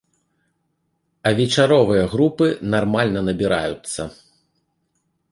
А вечаровыя групы нармальна набіраюцца.